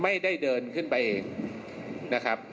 ไม่ได้เดินขึ้นไปเองนะครับ